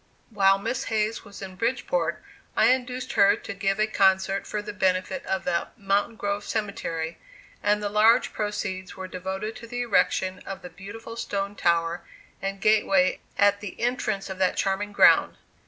While Miss Hayes was in Bridgeport I induced her to give a concert for the benefit of the "Mountain Grove Cemetery," and the large proceeds were devoted to the erection of the beautiful stone tower and gateway at the entrance of that charming ground.